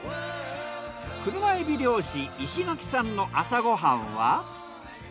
クルマエビ漁師石垣さんの朝ご飯は。